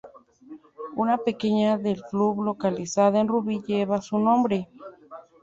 Una peña del club localizada en Rubí lleva su nombre.